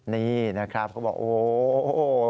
นี่นะครับเขาบอกโอ้โห